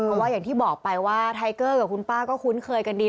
เพราะว่าอย่างที่บอกไปว่าไทเกอร์กับคุณป้าก็คุ้นเคยกันดี